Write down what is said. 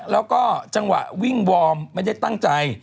แล้วก็จังหวะวิ่งวอร์มไม่ได้ตั้งใจ